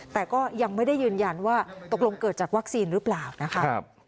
แต่ก็ยังไม่ได้ยืนยันว่าตกลงเกิดจากวัคซีนหรือเปล่านะคะ